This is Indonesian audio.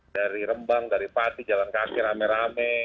dari rembang dari pati jalan kaki rame rame